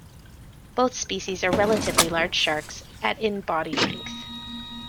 Both species are relatively large sharks, at in body length.